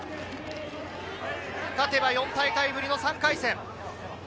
勝てば４大会ぶりの３回戦。